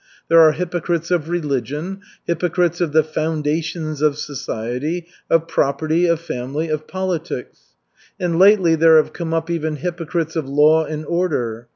There are hypocrites of religion, hypocrites of "the foundations of society," of property, of family, of politics. And lately there have come up even hypocrites of "law and order."